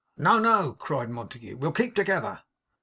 'No, no,' cried Montague; 'we'll keep together.